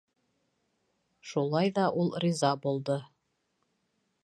Шулай ҙа ул риза булды.